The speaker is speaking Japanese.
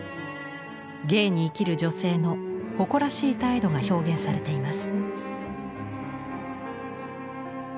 芸に生きる女性の誇らしい態度が表現されています。